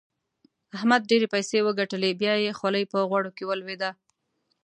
احمد ډېرې پيسې وګټلې؛ بيا يې خولۍ په غوړو کې ولوېده.